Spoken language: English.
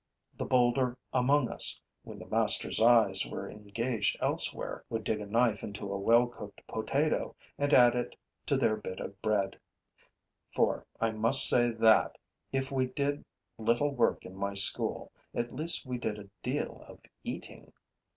The bolder among us, when the master's eyes were engaged elsewhere, would dig a knife into a well cooked potato and add it to their bit of bread; for I must say that, if we did little work in my school, at least we did a deal of eating.